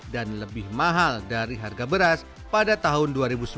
dan lebih mahal dari harga beras pada tahun dua ribu sembilan